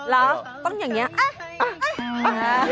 แล้วต้องอย่างเนี้ย